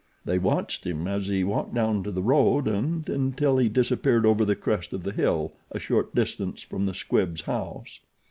They watched him as he walked down to the road and until he disappeared over the crest of the hill a short distance from the Squibbs' house.